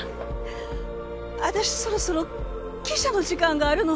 私そろそろ汽車の時間があるの。